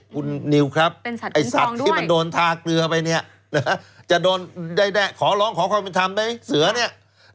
คุณนิวครับไอ้สัตว์ที่มันโดนทาเกลือไปเนี่ยจะโดนขอร้องขอความเป็นธรรมได้ไหมเสือเนี่ย